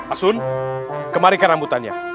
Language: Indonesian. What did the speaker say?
asun kemarikan rambutannya